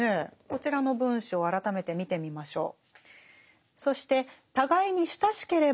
こちらの文章を改めて見てみましょう。